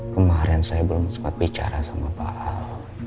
kemarin saya belum sempat bicara sama pak ahok